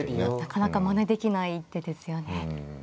なかなかまねできない一手ですよね。